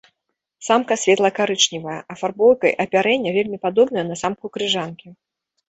Самка светла-карычневая, афарбоўкай апярэння вельмі падобная на самку крыжанкі.